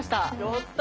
やった！